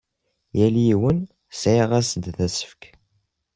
Yal yiwen sɣiɣ-as-d asefk.